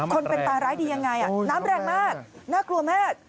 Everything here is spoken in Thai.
คนเป็นตายร้ายดียังไงน้ำแรงมากน่ากลัวมาก